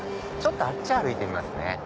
ちょっとあっち歩いてみますね。